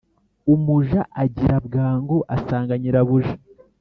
umuja agira bwangu asanga nyirabuja